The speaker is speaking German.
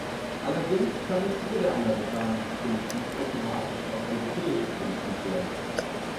Allerdings kann nicht jede amerikanische Politik automatisch auch europäische Politik werden.